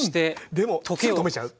でもすぐ止めちゃう。